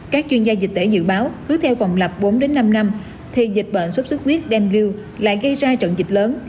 các chuyên gia dịch tễ dự báo cứ theo vòng lập bốn năm năm thì dịch bệnh sốt sốt huyết đen lưu lại gây ra trận dịch lớn